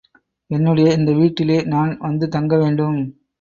என்னுடைய இந்த வீட்டிலே நான் வந்து தங்கவேண்டும்.